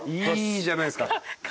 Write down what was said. いいじゃないですか。